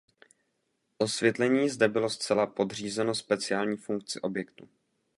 Osvětlení zde bylo zcela podřízeno speciální funkci objektu.